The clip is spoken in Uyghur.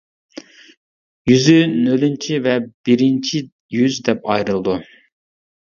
يۈزى نۆلىنچى ۋە بىرىنچى يۈز دەپ ئايرىلىدۇ.